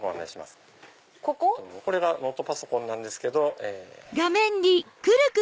これがノートパソコンですけど。